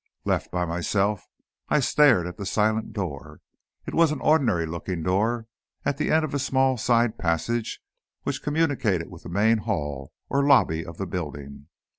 Left by myself I stared at the silent door. It was an ordinary looking door, at the end of a small side passage which communicated with the main hall or lobby of the building.